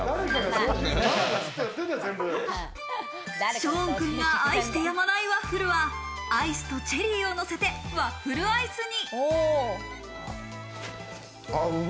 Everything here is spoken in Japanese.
ショーンくんが愛してやまないワッフルはアイスとチェリーを乗せてワッフルアイスに。